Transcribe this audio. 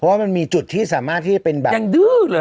ว่ามันมีจุดที่สามารถที่จะเป็นแบบยังดื้อเลย